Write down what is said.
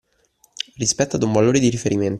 Rispetto ad un valore di riferimento.